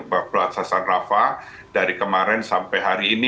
perbatasan rafah dari kemarin sampai hari ini